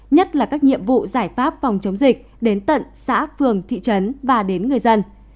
nhất là các nhiệm vụ giải pháp phòng chống dịch đến tận xã phường thị trấn và đến người dân